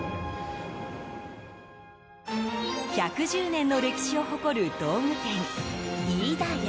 １１０年の歴史を誇る道具店飯田屋。